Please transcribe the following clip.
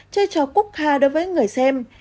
chơi trò cúc hà đối với người xem